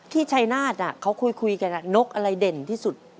ชัยนาฏเขาคุยกันนกอะไรเด่นที่สุด